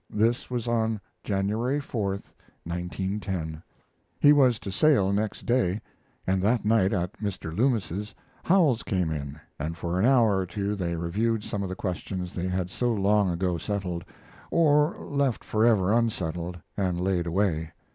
This was on January 4, 1910. He was to sail next day, and that night, at Mr. Loomis's, Howells came in, and for an hour or two they reviewed some of the questions they had so long ago settled, or left forever unsettled, and laid away.